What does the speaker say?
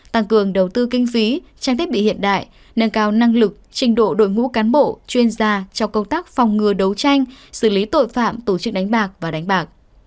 tăng cường đầu tư kinh phí trang thiết bị hiện đại nâng cao năng lực trình độ đội ngũ cán bộ chuyên gia trong công tác phòng ngừa đấu tranh xử lý tội phạm tổ chức đánh bạc và đánh bạc